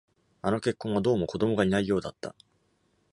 あの結婚はどうも子供がいないようだった。